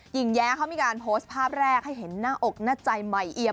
แย้เขามีการโพสต์ภาพแรกให้เห็นหน้าอกหน้าใจใหม่เอียม